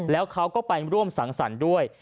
แล้วเขาก็ไปร่วมสังสรรค์ด้วย